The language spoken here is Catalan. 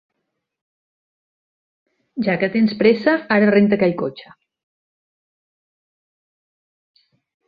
Ja que tens pressa, ara renta aquell cotxe.